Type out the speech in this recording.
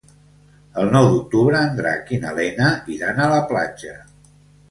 El nou d'octubre en Drac i na Lena iran a la platja.